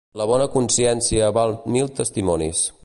La bona consciència val mil testimonis.